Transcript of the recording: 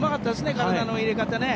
体の入れ方ね。